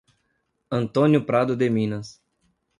Antônio Prado de Minas